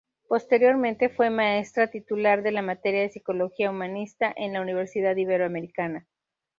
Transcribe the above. Posteriormente fue maestra titular de la materia de Psicología Humanista en la Universidad Iberoamericana.